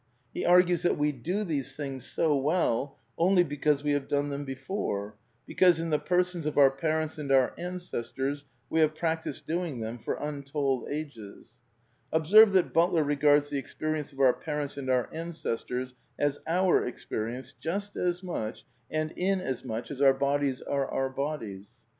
*^ He argues that we do these things so well only because we have done them before, because in the persons of our parents and our ancestors we have prac tised doing them for untold ages. (Observe that Butler regards the experience of our parents and our ancestors as \ our experience just as much and in as much as our bodies PAN PSYCHISM OF SAMUEL BUTLER 17 are our bodies.)